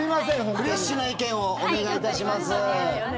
フレッシュな意見をお願いいたします。